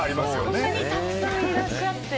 こんなにたくさんいらっしゃって。